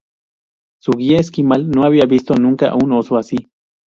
Su guía esquimal no había visto nunca un oso así.